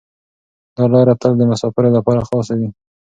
دا لاره تل د مسافرو لپاره خلاصه وي.